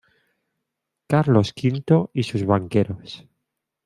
Carlos V y sus Banqueros.